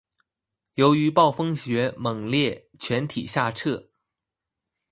由于暴风雪猛烈全体下撤。